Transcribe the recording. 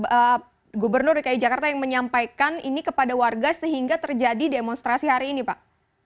ada gubernur dki jakarta yang menyampaikan ini kepada warga sehingga terjadi demonstrasi hari ini pak